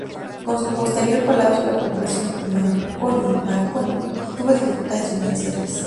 Con su posterior colapso, la Corporación Marconi tuvo dificultades financieras.